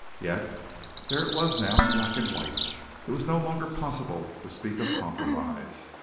Yet there it was now in black and white. It was no longer possible to speak of compromise.